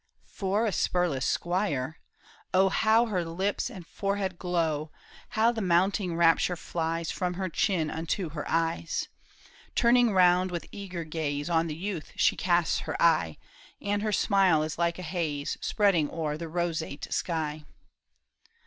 For a spurless squire ! oh How her lips and forehead glow ! How the mounting rapture flies From her chin unto her eyes ! Turning round with eager gaze, On the youth she casts her eye, And her smile is like a haze Spreading o'er a roseate sky.